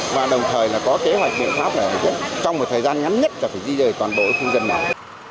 và đồng thời là có kế hoạch biện pháp là trong một thời gian ngắn nhất là phải di rời toàn bộ khu dân này